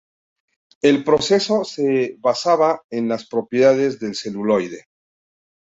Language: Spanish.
El proceso se basaba en las propiedades del celuloide.